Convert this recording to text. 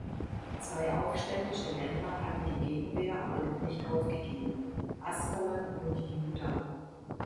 Zwei aufständische Länder hatten die Gegenwehr aber noch nicht aufgegeben: Askalon und Juda.